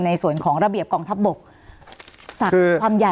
ในส่วนของระเบียบกองทับบกสักความใหญ่